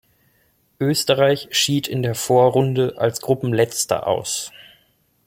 Österreich schied in der Vorrunde als Gruppenletzter aus.